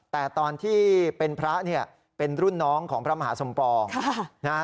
แต่ตอนที่เป็นพระเนี่ยเป็นรุ่นน้องของพระมหาสมปองนะฮะ